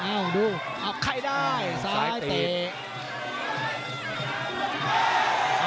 อ้าวดูอ้าวไข่ได้ซ้ายเตะ